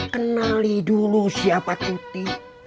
kenali dulu siapa tuti